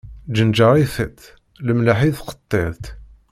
Jjenjaṛ i tiṭ, lemleḥ i tqeṭṭiṭ.